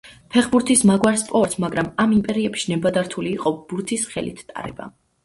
ფეხბურთის მაგვარ სპორტს, მაგრამ ამ იმპერიებში ნებადართული იყო ბურთის ხელით ტარებაც.